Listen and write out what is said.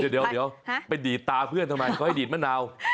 เดี๋ยวไปดีดตาเพื่อนทำไมเขาให้ดีดมะนาว